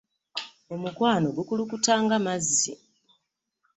Omukwano gukulukuta nga mazzi.